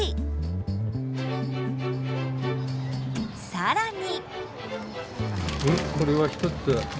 更に。